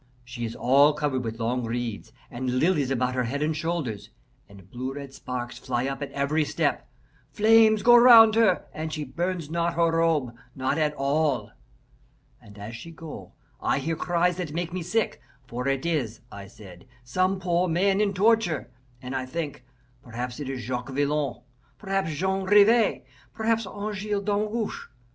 She is all covered with long reeds and lilies about her head and shoulders, and blue red sparks fly up at every step. Flames go round her, and she burns not her robe not at all. And as she go, I hear cries that make me sick, for it is, I said, some poor man in torture, and I think, perhaps it is Jacques Villon, perhaps Jean Rivas, perhaps Angele Damgoche.